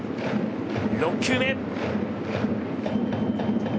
６球目。